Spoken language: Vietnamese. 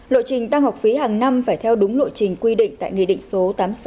lộ trình tăng học phí hàng năm phải theo đúng lộ trình quy định tại nghị định số tám mươi sáu